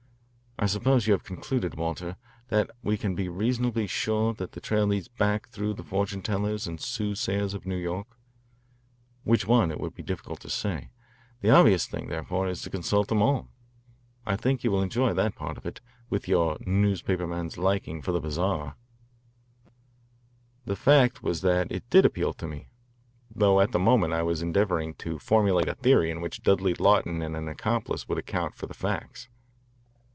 I suppose you have concluded, Walter, that we can be reasonably sure that the trail leads back through the fortune tellers and soothsayers of New York, which one, it would be difficult to say. The obvious thing, therefore, is to consult them all. I think you will enjoy that part of it, with your newspaperman's liking for the bizarre." The fact was that it did appeal to me, though at the moment I was endeavouring to formulate a theory in which Dudley Lawton and an accomplice would account for the facts.